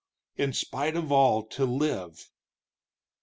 In spite of all, to live!